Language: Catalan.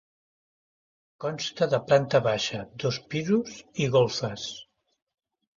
Consta de planta baixa, dos pisos i golfes.